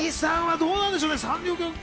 どうなんでしょうね。